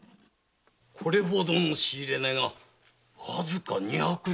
これほどの仕入れ値がわずか二百両とはね。